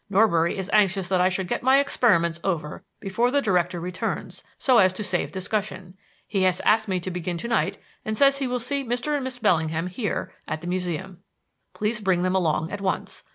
Norbury is anxious that I should get my experiments over before the Director returns, so as to save discussion. He has asked me to begin to night and says he will see Mr. and Miss Bellingham here, at the Museum. Please bring them along at once.